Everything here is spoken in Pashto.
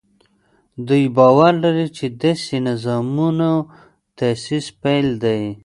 دوی باور لري چې داسې نظامونو تاسیس پیل دی.